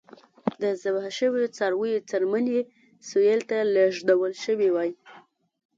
د ذبح شویو څارویو څرمنې سویل ته لېږدول شوې وای.